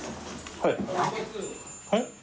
はい。